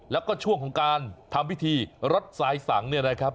แล้วก็ช่วงของการทำพิธีรถสายสังเนี่ยนะครับ